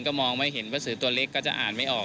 ก็มองไม่เห็นพระสือตัวเล็กก็จะอ่านไม่ออก